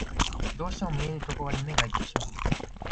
どうしても見えるところに目がいってしまう